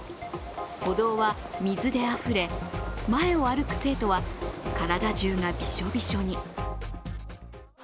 歩道は水であふれ、前を歩く生徒は体じゅうがびしょびしょに。